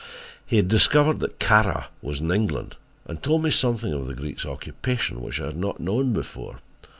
He had discovered that Kara was in England and told me something of the Greek's occupation which I had not known before.